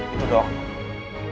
itu doang dong